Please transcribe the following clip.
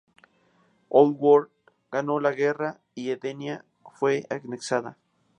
Outworld ganó la guerra y Edenia fue anexada.